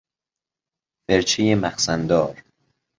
فرچه مخزن دار